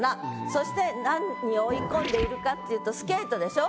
そして何を追い込んでいるかっていうとスケートでしょ？